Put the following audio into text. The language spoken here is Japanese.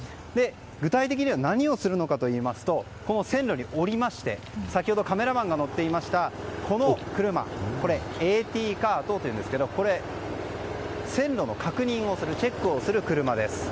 具体的には何をするのかといいますと線路に下りまして、先ほどカメラマンが乗っていましたこの車、これはＡＴカートといいますがこれ、線路の確認をするチェックをする車です。